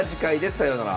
さようなら。